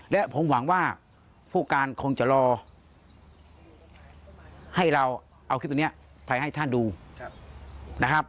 และผมหวังว่าผู้การคงจะรอให้เราเอาคลิปตรงนี้ไปให้ท่านดูนะครับ